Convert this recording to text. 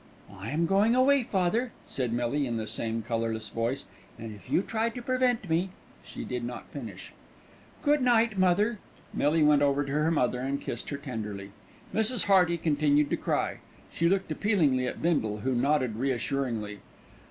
"I am going away, father," said Millie in the same colourless voice; "and if you try and prevent me " She did not finish. "Good night, mother." Millie went over to her mother and kissed her tenderly. Mrs. Hearty continued to cry. She looked appealingly at Bindle, who nodded reassuringly.